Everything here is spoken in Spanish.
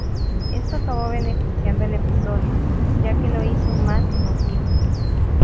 Esto acabó beneficiando al episodio, ya que lo hizo más emotivo.